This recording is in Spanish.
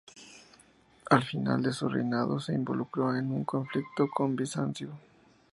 Al final de su reinado se involucró en un conflicto con Bizancio.